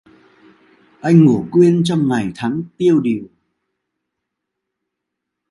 Anh ngủ quên trong ngày tháng tiêu đìu